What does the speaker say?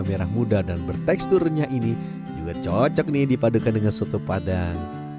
merah muda dan bertekstur renyah ini juga cocok nih dipadukan dengan soto padang